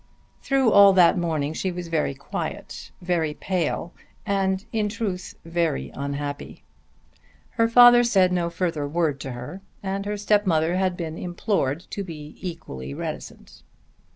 Through all that morning she was very quiet, very pale, and in truth very unhappy. Her father said no further word to her, and her stepmother had been implored to be equally reticent.